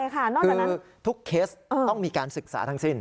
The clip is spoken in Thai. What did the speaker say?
คือทุกเคสต้องมีการศึกษาทั้งสิ้น